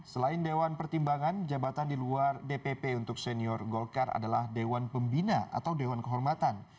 selain dewan pertimbangan jabatan di luar dpp untuk senior golkar adalah dewan pembina atau dewan kehormatan